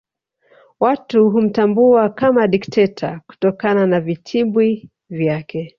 Watu humtambua kama dikteta kutokana na vitibwi vyake